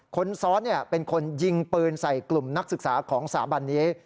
คนซ้อนเป็นคนยิงปืนใส่กลุ่มนักศึกษาของสถาบันนี้